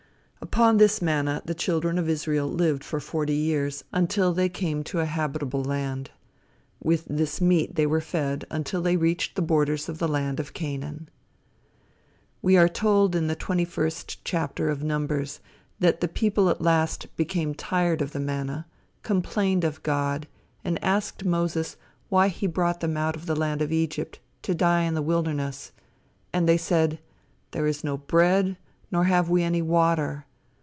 "Upon this manna the children of Israel lived for forty years, until they came to a habitable land. With this meat were they fed until they reached the borders of the land of Canaan." We are told in the twenty first chapter of Numbers, that the people at last became tired of the manna, complained of God, and asked Moses why he brought them out of the land of Egypt to die in the wilderness. And they said: "There is no bread, nor have we any water.